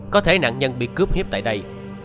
có thể nạn nhân bị cướp hiếp tại đây